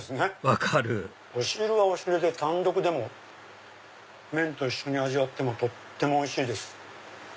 分かるお汁はお汁で単独でも麺と一緒に味わってもとってもおいしいです。